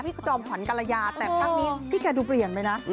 จอมขวัญกรยาแต่ครั้งนี้พี่แกดูเปลี่ยนไปนะ